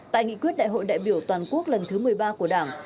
tại nghị quyết đại hội đại biểu toàn quốc lần thứ một mươi ba của đảng